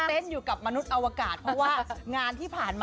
สุดยอดเลยคุณผู้ชมค่ะบอกเลยว่าเป็นการส่งของคุณผู้ชมค่ะ